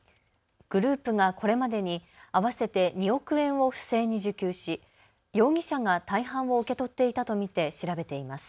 グループがこれまでに合わせて２億円を不正に受給し容疑者が大半を受け取っていたと見て調べています。